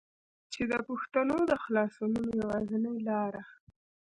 چې دې پښتنو د خلاصونو يوازينۍ لاره